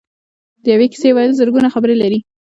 د یوې کیسې ویل زرګونه خبرې لري.